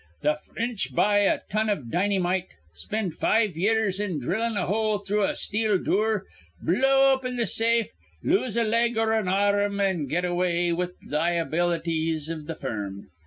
Th' Fr rinch buy a ton iv dinnymite, spind five years in dhrillin' a hole through a steel dure, blow open th' safe, lose a leg or an ar rm, an' get away with th' li'bilities iv th' firm.